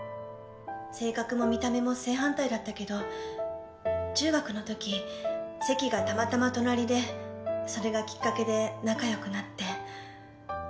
性格も見た目も正反対だったけど中学の時席がたまたま隣でそれがきっかけで仲良くなって。